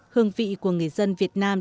hương vị của người dân việt nam